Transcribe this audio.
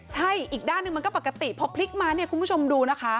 ใช่อีกด้านหนึ่งมันก็ปกติพอพลิกมาเนี่ยคุณผู้ชมดูนะคะ